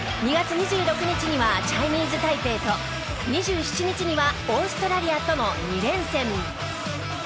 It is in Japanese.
２月２６日にはチャイニーズ・タイペイと２７日にはオーストラリアとの２連戦。